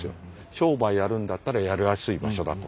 商売やるんだったらやりやすい場所だと。